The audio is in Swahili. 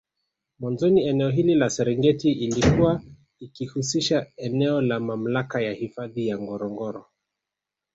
Mwanzoni eneo hili la Serengeti ilikuwa ikihusisha eneo la Mamlaka ya hifadhi ya Ngorongoro